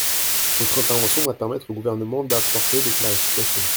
Votre intervention va permettre au Gouvernement d’apporter des clarifications.